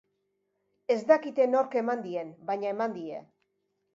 Ez dakite nork eman dien, baina eman die.